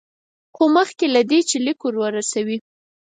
خو مخکې له دې چې لیک ورسیږي.